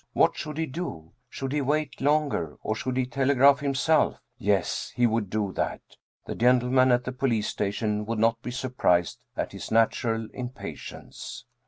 What should he do ? Should he wait longer, or should he telegraph himself ? Yes, he would do that. The gentlemen at the police station would not be surprised at his natural impatience.